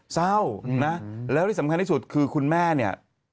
เศร้านะแล้วที่สำคัญที่สุดคือคุณแม่เนี่ย